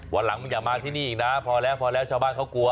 วันหลังมึงอย่ามาที่นี่อีกนะพอแล้วพอแล้วชาวบ้านเขากลัว